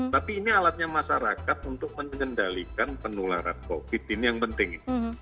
tapi ini alatnya masyarakat untuk mengendalikan penularan covid ini yang penting